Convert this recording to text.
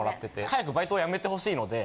早くバイトをやめてほしいので。